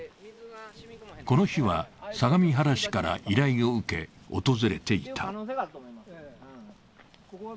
この日は相模原市から依頼を受け、訪れていた。